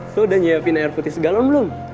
so udah nyiapin air putih segala belum